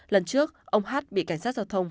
lần trước ông hát bị cảnh sát giao thông